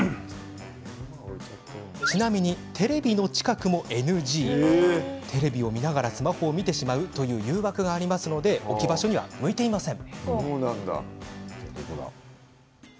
いくら箱に入れているとはいえテレビを見ながらスマホを見てしまうという誘惑があるので置き場所には向いていません。